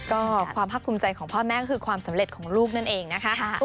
ก็ความพักภูมิใจของพ่อแม่ก็คือความสำเร็จของลูกนั่นเองนะคะ